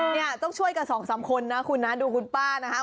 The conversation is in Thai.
เนี่ยต้องช่วยกับ๒๓คนนะคุณดูคุณป้านะคะ